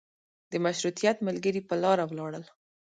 د مشروطیت ملګري په لاره ولاړل.